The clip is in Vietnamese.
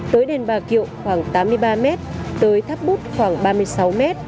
tới đền bà kiệu khoảng tám mươi ba m tới tháp bút khoảng ba mươi sáu m